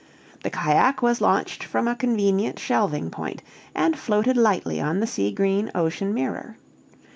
The cajack was launched from a convenient shelving point, and floated lightly on the sea green ocean mirror.